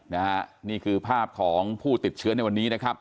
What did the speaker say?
นี่คือภาพของผู้ติดเชื้อในวันนี้นะครับ